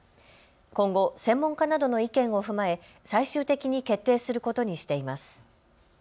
今後、専門家などの意見を踏まえ最終的に決定することにしています。